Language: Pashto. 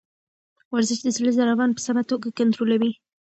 ورزش د زړه ضربان په سمه توګه کنټرولوي.